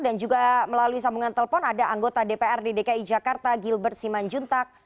dan juga melalui sambungan telepon ada anggota dpr di dki jakarta gilbert siman juntak